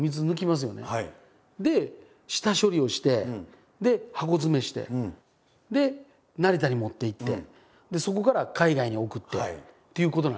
下処理をしてで箱詰めしてで成田に持って行ってそこから海外に送ってっていうことなんですよね。